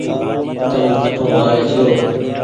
تم ڪٺون آئي ڇوٚنٚ